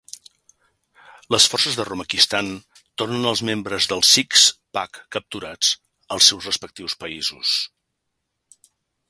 Les forces de Rumekistan tornen els membres del Six Pack capturats als seus respectius països.